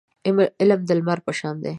علم د لمر په شان دی.